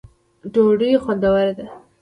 ډوډۍ خوندوره ده